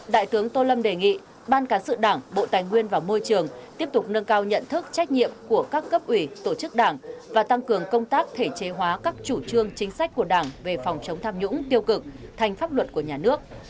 đại tướng tô lâm đề nghị ban cán sự đảng bộ tài nguyên và môi trường tiếp tục nâng cao nhận thức trách nhiệm của các cấp ủy tổ chức đảng và tăng cường công tác thể chế hóa các chủ trương chính sách của đảng về phòng chống tham nhũng tiêu cực thành pháp luật của nhà nước